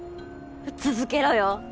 続けろよ。